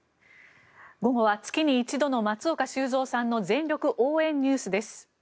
午後は月に一度の松岡修造さんの全力応援ＮＥＷＳです。